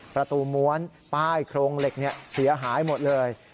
ประตูม้วนป้ายโครงเหล็กเสียหายหมดเลย